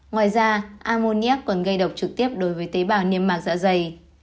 ngoài ra ammoniac còn gây độc trực tiếp đối với tế bào niêm mạc dạ dày